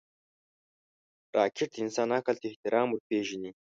راکټ د انسان عقل ته احترام ورپېژني